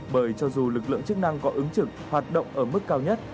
bởi cho dù lực lượng chức năng có ứng trực hoạt động ở mức cao nhất